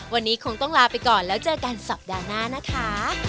วันนี้คงต้องลาไปก่อนแล้วเจอกันสัปดาห์หน้านะคะ